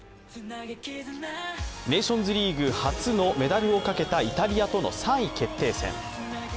ネーションズリーグ初のメダルをかけたイタリアとの３位決定戦。